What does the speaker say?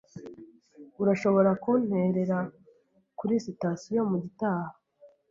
Urashobora kunterera kuri sitasiyo mugitaha?